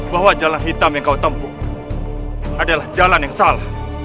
bahwa jalan hitam yang kau tempuh adalah jalan yang salah